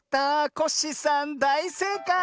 コッシーさんだいせいかい！